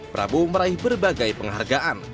prabowo meraih berbagai penghargaan